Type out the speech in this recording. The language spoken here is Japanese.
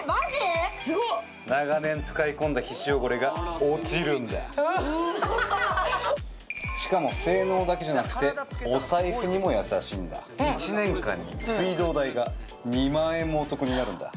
すごっ長年使い込んだ皮脂汚れが落ちるんだしかも性能だけじゃなくてお財布にも優しいんだ１年間に水道代が２万円もお得になるんだ